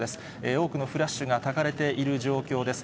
多くのフラッシュがたかれている状況です。